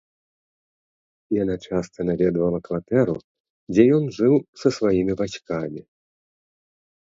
Яна часта наведвала кватэру, дзе ён жыў са сваімі бацькамі.